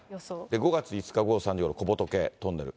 ５月５日午後３時ごろ、小仏トンネル。